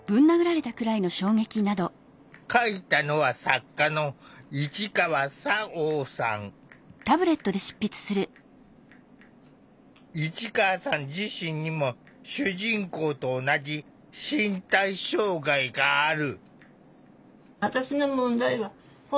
書いたのは市川さん自身にも主人公と同じ身体障害がある。